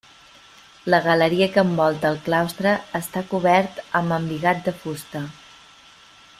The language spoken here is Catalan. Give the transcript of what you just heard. La galeria que envolta el claustre està cobert amb embigat de fusta.